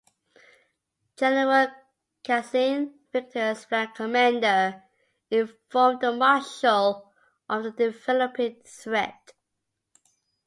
General Cassagne, Victor's flank commander, informed the Marshal of the developing threat.